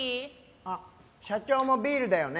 あっ社長もビールだよね？